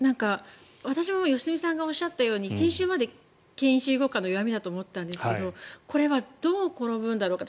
私も良純さんがおっしゃったように先週まで権威主義国家の弱みだと思っていたんですがこれはどう転ぶんだろうかと。